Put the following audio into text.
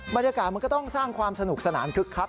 บรรยากาศมันก็ต้องสร้างความสนุกสนานคึกคัก